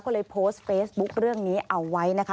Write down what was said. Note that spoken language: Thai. ก็เลยโพสต์เฟซบุ๊คเรื่องนี้เอาไว้นะคะ